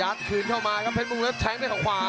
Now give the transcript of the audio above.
ย้านขึ้นเข้ามาครับเพชรบรุงแล้วแท้งด้วยข้าขวา